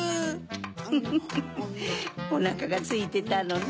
フフフフおなかがすいてたのね。